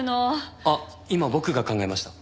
あっ今僕が考えました。